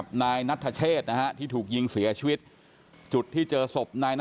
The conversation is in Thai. เขาบอกว่าเขาไม่ได้ยินอะไรเลยคนแถวนี้จะไม่ได้ยิน